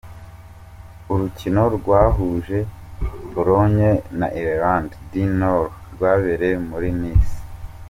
Urukino rwahuje Pologne na Irlande du Nord rwabereye muri Nice.